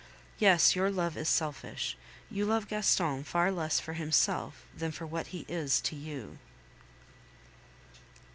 Yes, your love is selfish; you love Gaston far less for himself than for what he is to you.